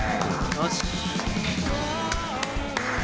よし！